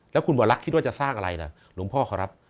แล้วคุณหมอลักษ์คิดว่าจะสร้างอะไรล่ะหลวงพ่อเขารับ